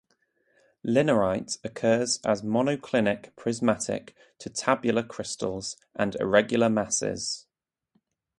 Linarite occurs as monoclinic prismatic to tabular crystals and irregular masses.